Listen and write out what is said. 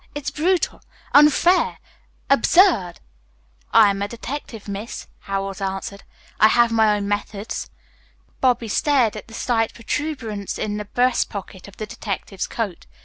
It's brutal, unfair absurd." "I am a detective, Miss," Howells answered. "I have my own methods." Bobby stared at the slight protuberance in the breast pocket of the detective's coat.